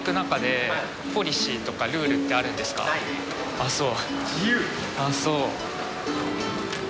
ああそう。